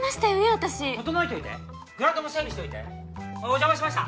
私ととのえといてグラウンドも整備しといてお邪魔しました